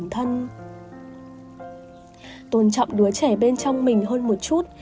tôn trọng đứa trẻ bên trong mình hơn một chút